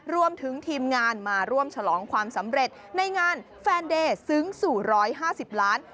รวมถึงทีมงานมาร่วมฉลองความสำเร็จในงานแฟนเดย์ซึ้งสู่๑๕๐ล้าน